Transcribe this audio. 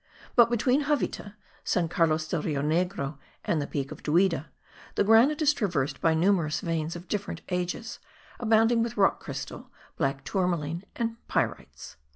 but, between Javita, San Carlos del Rio Negro, and the Peak of Duida, the granite is traversed by numerous veins of different ages, abounding with rock crystal, black tourmalin and pyrites.